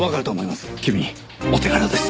君お手柄です。